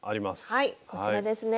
はいこちらですね。